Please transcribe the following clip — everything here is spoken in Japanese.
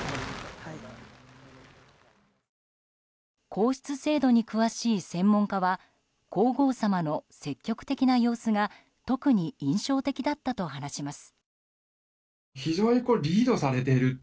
皇室制度に詳しい専門家は皇后さまの積極的な様子が特に印象的だったと話します。